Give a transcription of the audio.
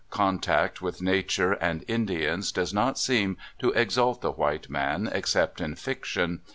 Contact with nature and In dians does not seem to exalt the white man, except in fiction.